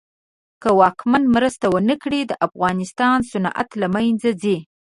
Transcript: که واکمن مرسته ونه کړي د افغانستان صنعت له منځ ځي.